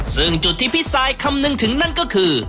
ซึ่งจุดที่พี่ซายคำนึงถึงนั่นก็คือ